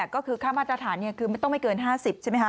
ก็คือค่ามาตรฐานคือไม่ต้องไม่เกิน๕๐ใช่ไหมคะ